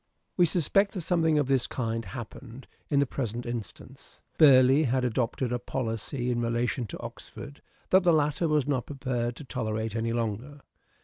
We suspect that something of this kind happened in the present instance. Burleigh had adopted a policy in relation to Oxford that the latter was not prepared to tolerate any longer.